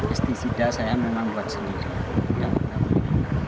pesticida saya memang buat sendiri